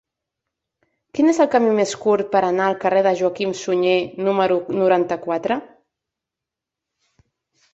Quin és el camí més curt per anar al carrer de Joaquim Sunyer número noranta-quatre?